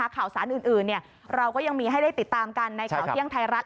ข่าวสารอื่นเราก็ยังมีให้ได้ติดตามกันในข่าวเที่ยงไทยรัฐ